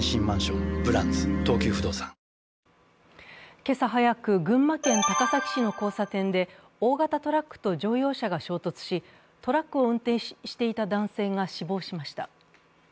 今朝早く群馬県高崎市の交差点で大型トラックと乗用車が衝突し、トラックを運転していた男性が死亡しました。